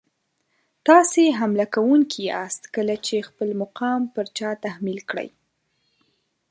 تاسو حمله کوونکي یاست کله چې خپل مقام پر چا تحمیل کړئ.